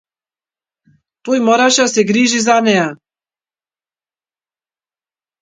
Тој мораше да се грижи за неа.